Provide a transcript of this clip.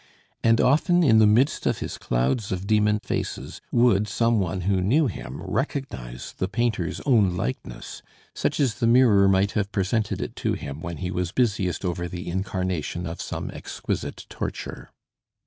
And often in the midst of his clouds of demon faces, would some one who knew him recognise the painter's own likeness, such as the mirror might have presented it to him when he was busiest over the incarnation of some exquisite torture.